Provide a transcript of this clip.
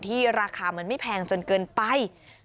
ราคามันไม่แพงจนเกินไป